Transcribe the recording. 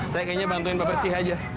saya kayaknya bantuin bapak siha aja